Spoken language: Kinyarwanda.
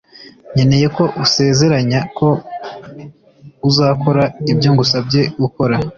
Nkeneye ko usezeranya ko uzakora ibyo ngusabye gukora